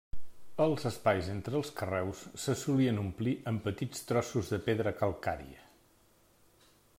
Els espais entre els carreus se solien omplir amb petits trossos de pedra calcària.